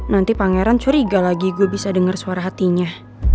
nanti pangeran curiga lagi gue bisa dengar suara hatinya